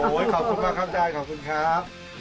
โอ๊ยขอบคุณมากครับจ้ายขอบคุณครับ